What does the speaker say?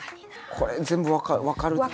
これ全部分かるな。